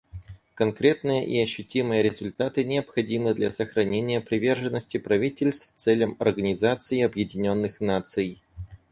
Конкретные и ощутимые результаты необходимы для сохранения приверженности правительств целям Организации Объединенных Наций.